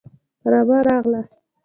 رمه راغله